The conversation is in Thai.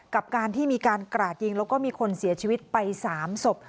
กับการที่มีการกราดยิงแล้วก็มีคนเสียชีวิตไป๓ศพ